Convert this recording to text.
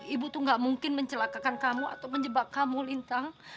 ibu tuh gak mungkin mencelakakan kamu atau menjebak kamu lintang